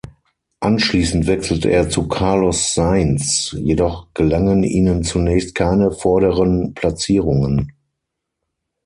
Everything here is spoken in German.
Anschließend wechselte er zu Carlos Sainz, jedoch gelangen ihnen zunächst keine vorderen Platzierungen.